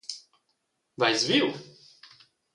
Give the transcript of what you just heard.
Veis viu?